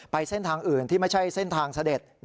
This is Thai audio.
เส้นทางอื่นที่ไม่ใช่เส้นทางเสด็จ